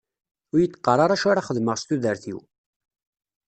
Ur yi-d-qqar ara acu ara xedmeɣ s tudert-iw.